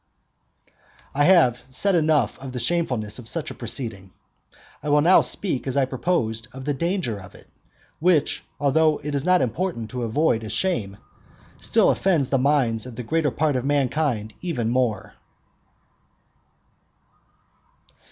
I have said enough of the shamefulness of such a proceeding; I will now speak next, as I proposed, of the danger of it; which, although it is not so important to avoid as shame, still offends the minds of the greater part of mankind even more.